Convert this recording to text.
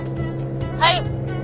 はい。